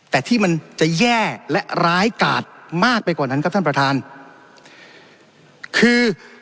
แต่ที่มันจะแย่และร้ายกาดมากไปกว่านั้นครับท่านประธานคือ